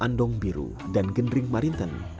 dari andong biru dan gendring marinten